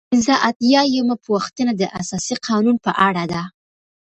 پنځه اتیا یمه پوښتنه د اساسي قانون په اړه ده.